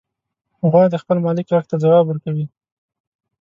غوا د خپل مالک غږ ته ځواب ورکوي.